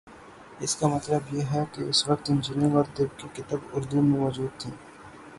اس کا مطلب یہ ہے کہ اس وقت انجینئرنگ اور طب کی کتب اردو میں مو جود تھیں۔